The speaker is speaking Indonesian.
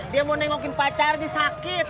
dia mau nengokin pacar dia sakit